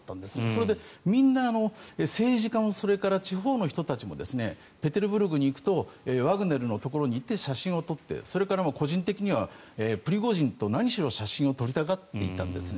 それでみんな、政治家も地方の人たちもペテルブルクに行くとワグネルのところに行って写真を撮ってそれから個人的にはプリゴジンとなんにしろ写真を撮りたがっていたんですね。